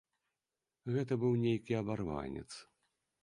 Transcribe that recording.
Гэта быў нейкі абарванец.